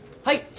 はい。